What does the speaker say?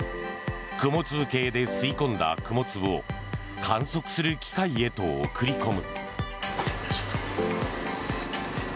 雲粒計で吸い込んだ雲粒を観測する機械へと送り込む。